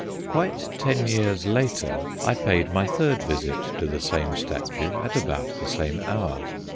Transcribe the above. Quite ten years later I paid my third visit to the same statue at about the same hour.